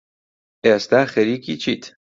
ئێستا خەریکی چیت؟